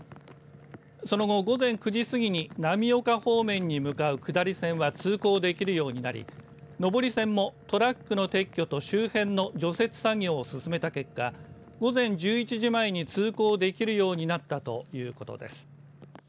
その後、午前９時過ぎに浪岡方面に向かう下り線は通行できるようになり上り線もトラックの撤去と周辺の除雪作業を進めた結果午前１１時前に通行できるようになったということです。